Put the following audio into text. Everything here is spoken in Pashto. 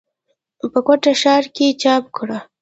پۀ کوټه ښارکښې چاپ کړه ۔